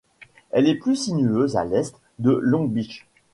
Elle est plus sinueuse à l'est de Long Beach.